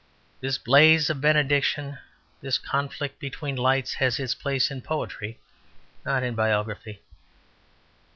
This blaze of benediction, this conflict between lights, has its place in poetry, not in biography.